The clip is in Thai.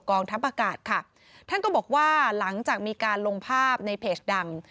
ทัพอากาศค่ะท่านก็บอกว่าหลังจากมีการลงภาพในเพจดัง